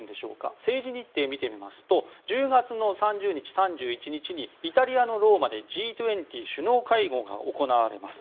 政治日程見てみますと１０月の３０日、３１日にイタリア・ローマでＧ２０首脳会合が行われます。